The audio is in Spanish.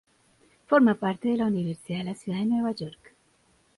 Forma parte de la Universidad de la Ciudad de Nueva York.